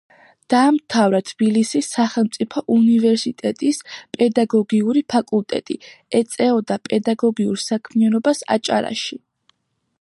დაამთავრა თბილისის სახელმწიფო უნივერსიტეტის პედაგოგიური ფაკულტეტი, ეწეოდა პედაგოგიურ საქმიანობას აჭარაში.